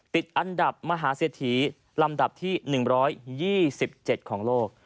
ติดอันดับมหาเศรษฐีลำดับที่๑๒๗ของโลก